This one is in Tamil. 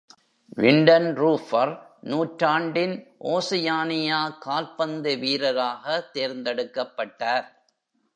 வின்டன் ரூஃபர் நூற்றாண்டின் ஓசியானியா கால்பந்து வீரராக தேர்ந்தெடுக்கப்பட்டார்.